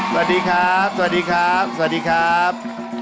สวัสดีครับสวัสดีครับสวัสดีครับ